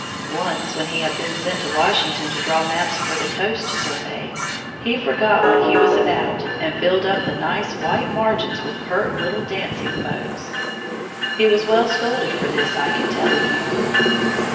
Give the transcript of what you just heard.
Once, when he had been sent to Washington to draw maps for the Coast Survey, he forgot what he was about and filled up the nice, white margins with pert little dancing folks. He was well scolded for this, I can tell you.